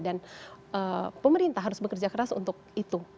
dan pemerintah harus bekerja keras untuk itu